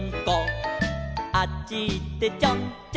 「あっちいってちょんちょん」